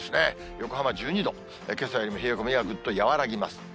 横浜１２度、けさよりも冷え込みはぐっと和らぎます。